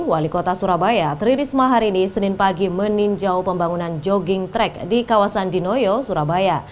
wali kota surabaya tri risma hari ini senin pagi meninjau pembangunan jogging track di kawasan dinoyo surabaya